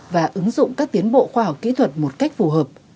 và ứng dụng các tiến bộ khoa học kỹ thuật một cách phù hợp